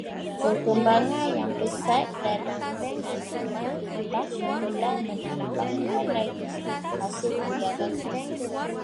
Perkembangan yang pesat dalam penanaman getah telah menambahkan lagi hasil perdagangan.